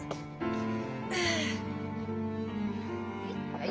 はい。